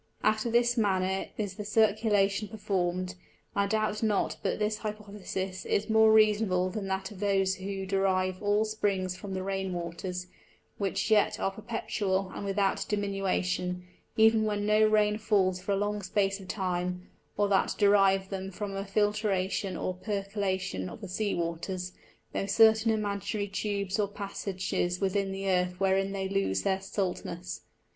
After this manner is the Circulation perform'd, and I doubt not but this Hypothesis is more reasonable than that of those who derive all Springs from the Rain waters, which yet are perpetual and without diminution, even when no Rain falls for a long space of time; or that derive them from a Filtration or Percolation of the Sea waters, thro' certain imaginary Tubes or Passages within the Earth wherein they lose their Saltness.